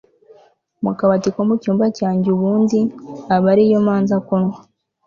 mu kabati ko mucyumba cyanjye ubundi aba ariyo manza kunywa